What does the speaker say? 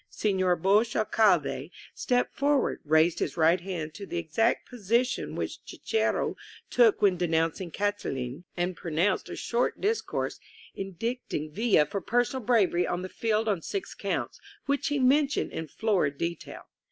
Senor Bauche Alcalde stepped forward, raised his right hand to the exact position which Cicero took when denouncing Catiline, and pronounced a short dis 114 VILLA ACCEPTS A MEDAL course, indicting Villa for personal bravery on the field on six counts, which he mentioned in florid detail.